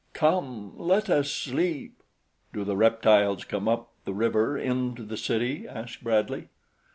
Come, let us sleep." "Do the reptiles come up the river into the city?" asked Bradley.